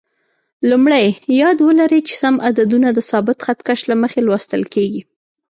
لومړی: یاد ولرئ چې سم عددونه د ثابت خط کش له مخې لوستل کېږي.